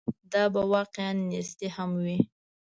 دا به واقعاً نیستي هم وي.